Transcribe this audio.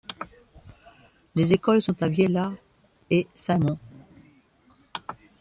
Les écoles sont à Viella et Saint-Mont.